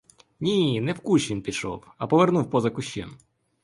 Ні, не в кущ він пішов, а повернув поза кущем.